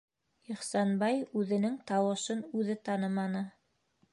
- Ихсанбай үҙенең тауышын үҙе таныманы.